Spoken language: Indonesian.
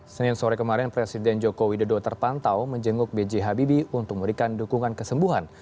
senin sore kemarin presiden joko widodo terpantau menjenguk b j habibie untuk memberikan dukungan kesembuhan